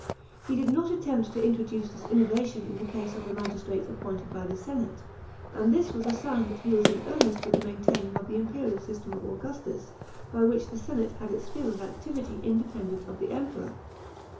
He did not attempt to introduce this innovation in the case o? the magistrates appointed by the senate, and this was a sign *hai :\c was in earnest with the maintaining of the imperial system of Augustus, by which the senate had its sphere of activity independent of the Emperor.